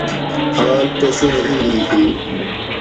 حال تسیں ای ھی